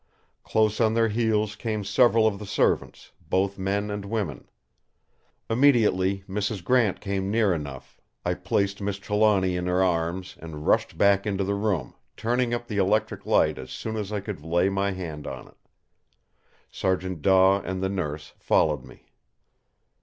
Close on their heels came several of the servants, both men and women. Immediately Mrs. Grant came near enough, I placed Miss Trelawny in her arms, and rushed back into the room, turning up the electric light as soon as I could lay my hand on it. Sergeant Daw and the Nurse followed me.